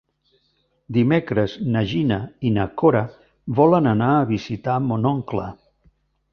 Dimecres na Gina i na Cora volen anar a visitar mon oncle.